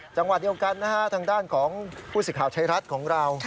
จังหวัดเดียวกันนะฮะทางด้านของผู้สิทธิ์ชายรัฐของเรา